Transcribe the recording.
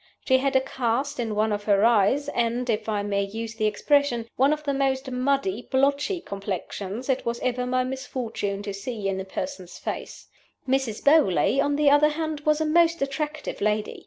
She had a cast in one of her eyes, and (if I may use the expression) one of the most muddy, blotchy complexions it was ever my misfortune to see in a person's face. Mrs. Beauly, on the other hand, was a most attractive lady.